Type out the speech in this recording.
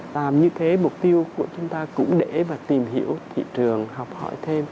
làm như thế mục tiêu của chúng ta cũng để mà tìm hiểu thị trường học hỏi thêm